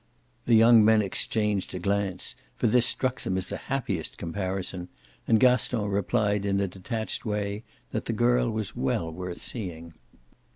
The young men exchanged a glance, for this struck them as the happiest comparison, and Gaston replied in a detached way that the girl was well worth seeing.